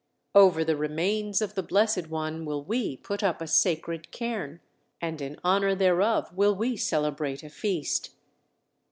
Over the remains of the Blessed One will we put up a sacred cairn, and in honor thereof will we celebrate a feast!"